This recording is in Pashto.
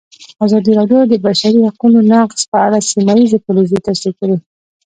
ازادي راډیو د د بشري حقونو نقض په اړه سیمه ییزې پروژې تشریح کړې.